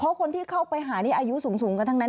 เพราะคนที่เข้าไปหานี่อายุสูงกันทั้งนั้น